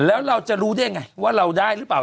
แล้วเราจะรู้ได้ไงว่าเราได้หรือเปล่า